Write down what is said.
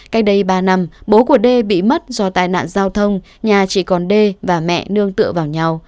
cách đây ba năm bố của đê bị mất do tai nạn giao thông nhà chỉ còn đê và mẹ nương tựa vào nhau